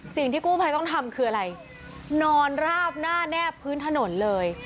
สิ่งที่กู้ภัยต้องทำคืออะไรนอนราบหน้าแนบพื้นถนนเลย